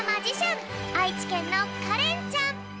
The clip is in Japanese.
あいちけんのかれんちゃん！